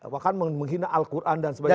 bahkan menghina al quran dan sebagainya